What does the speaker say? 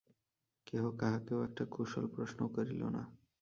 কেহ কাহাকেও একটা কুশলপ্রশ্নও করিল না।